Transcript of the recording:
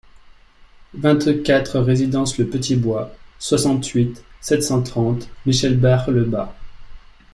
vingt-quatre résidence le Petit Bois, soixante-huit, sept cent trente, Michelbach-le-Bas